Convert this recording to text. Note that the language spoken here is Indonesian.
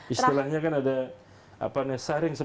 istilahnya kan ada sharing sebelum sharing kan